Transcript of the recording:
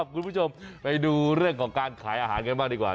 คุณผู้ชมไปดูเรื่องของการขายอาหารกันบ้างดีกว่า